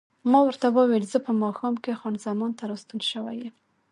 ما ورته وویل: زه په ماښام کې خان زمان ته راستون شوی یم.